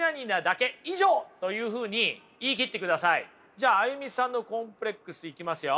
じゃあＡＹＵＭＩさんのコンプレックスいきますよ。